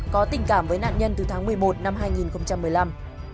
có tình cảm với nạn nhân từ tháng một mươi một năm hai nghìn một mươi năm